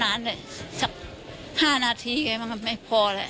เวลานานแหละสักห้านาทีไงมันไม่พอแหละ